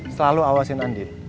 selalu awasin andin